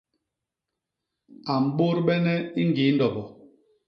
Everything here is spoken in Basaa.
A mbôdbene i ñgii ndobo.